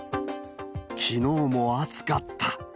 きのうも暑かった。